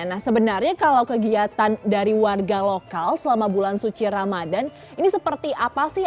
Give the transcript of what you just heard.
nah sebenarnya kalau kegiatan dari warga lokal selama bulan suci ramadan ini seperti apa sih